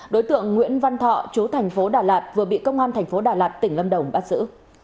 đối tượng nguyễn văn thọ chú thành phố đà lạt vừa bị công an thành phố đà lạt tỉnh lâm đồng bắt giữ